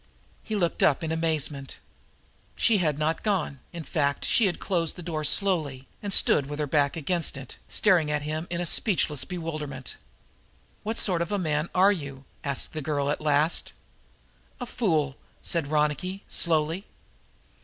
He looked up in amazement. She had not gone; in fact, she had closed the door slowly and stood with her back against it, staring at him in a speechless bewilderment. "What sort of a man are you?" asked the girl at last. "A fool," said Ronicky slowly.